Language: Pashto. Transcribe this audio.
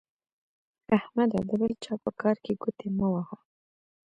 احمده د بل چا په کار کې ګوتې مه وهه.